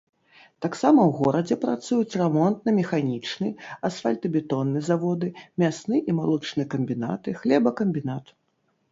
Таксама ў горадзе працуюць рамонтна-механічны, асфальтабетонны заводы, мясны і малочны камбінаты, хлебакамбінат.